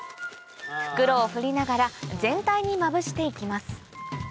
袋を振りながら全体にまぶして行きます